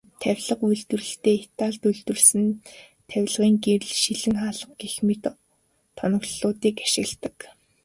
Тавилга үйлдвэрлэлдээ Италид үйлдвэрлэсэн тавилгын гэрэл, шилэн хаалга гэх мэт тоноглолуудыг ашигладаг.